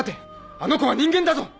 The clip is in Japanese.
あの子は人間だぞ！